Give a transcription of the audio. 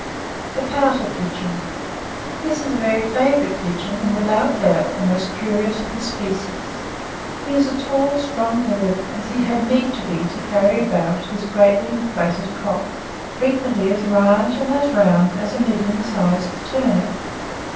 THE POUTER PIGEON. This is a very favourite pigeon, and, without doubt, the most curious of his species. He is a tail strong bird, as he had need be to carry about his great inflated crop, frequently as large and as round as a middling sized turnip.